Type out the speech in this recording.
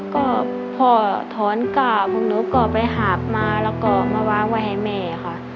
ก็พ่อถอนกราบพวกหนูก็ไปหาบมาแล้วก็มาวางไว้ให้แม่ค่ะ